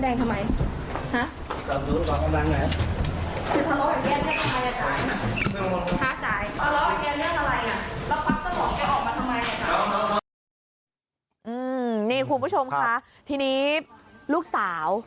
นี่คุณผู้ชมค่ะทีนี้ลูกสาว